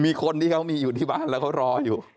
มีคนที่เขามีอยู่ที่บ้านแล้วเขารออยู่